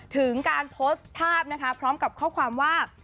ถึงการโพสต์ภาพนะคะพร้อมกับข้อความว่า